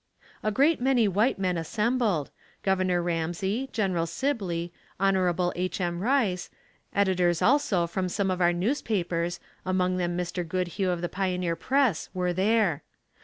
A great many white men assembled, Gov. Ramsey, Gen. Sibley, Hon. H. M. Rice, editors also from some of our newspapers, among them Mr. Goodhue of the Pioneer Press, were there.